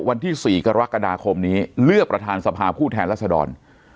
วันที่๔กรกฎาคมนี้เลือกประธานสภาผู้แทนรัศดร